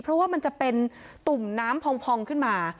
เพราะว่ามันจะเป็นตุ่มน้ำพองขึ้นมา